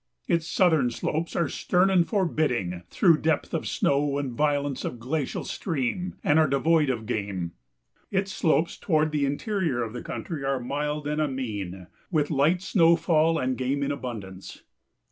Its southern slopes are stern and forbidding through depth of snow and violence of glacial stream, and are devoid of game; its slopes toward the interior of the country are mild and amene, with light snowfall and game in abundance.